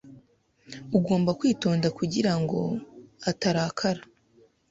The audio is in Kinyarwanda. Ugomba kwitonda kugirango utarakara.